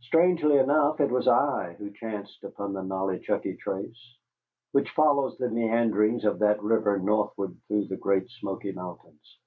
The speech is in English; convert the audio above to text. Strangely enough it was I who chanced upon the Nollichucky Trace, which follows the meanderings of that river northward through the great Smoky Mountains.